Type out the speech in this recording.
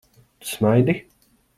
Tu smaidi?